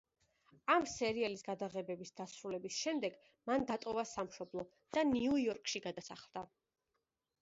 ამ სერიალის გადაღებების დასრულების შემდეგ მან დატოვა სამშობლო და ნიუ იორკში გადასახლდა.